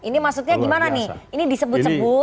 ini maksudnya gimana nih